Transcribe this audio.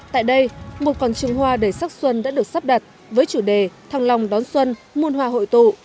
tại đây một con trường hoa đầy sắc xuân đã được sắp đặt với chủ đề thăng long đón xuân muôn hoa hội tụ